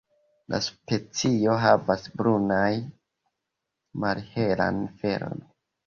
La specio havas brunan malhelan felon.